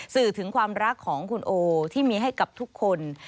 สื่อถึงความรักของคุณโอที่มีให้กับทุกคน